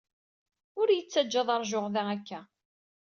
Ur iyi-ttajja ad ṛjuɣ da akka.